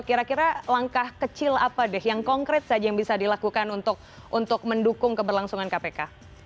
kira kira langkah kecil apa deh yang konkret saja yang bisa dilakukan untuk mendukung keberlangsungan kpk